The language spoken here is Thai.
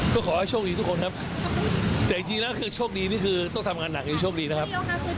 ก็ขอให้โชคดีทุกคนครับแต่จริงแล้วคือโชคดีนี่คือต้องทำงานหนักยังโชคดีนะครับ